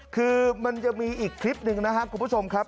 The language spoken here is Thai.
คือมันยังมีอีกคลิปหนึ่งนะครับคุณผู้ชมครับ